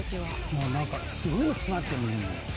もう何かすごいの詰まってるねもう！